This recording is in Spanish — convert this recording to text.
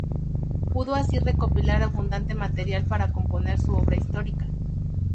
Pudo así recopilar abundante material para componer su obra histórica.